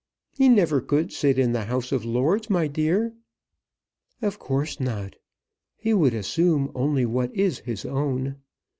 "He never could sit in the House of Lords, my dear." "Of course not. He would assume only what is his own.